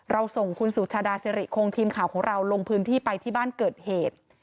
ส่งคุณสุชาดาสิริคงทีมข่าวของเราลงพื้นที่ไปที่บ้านเกิดเหตุ